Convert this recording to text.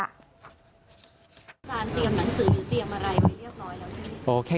การเตรียมหนังสือเตรียมอะไรไว้เรียบร้อยแล้วใช่มั้ย